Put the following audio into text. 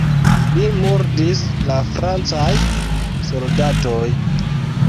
Lin murdis la francaj soldatoj.